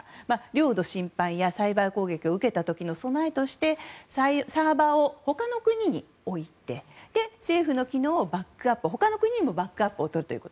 領土侵犯やサイバー攻撃を受けた時の備えとしてサーバーを他の国に置いて政府の機能を他の国にバックアップする。